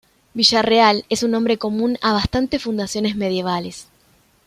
Villarreal es un nombre común a bastantes fundaciones medievales.